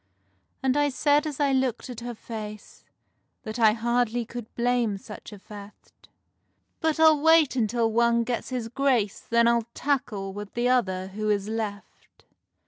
And I said as I looked at her face That I hardly could blame such a theft, "But I'll wait until one gets his grace, Then I'll tackle with the other who is left."